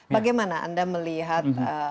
bagaimana anda melihat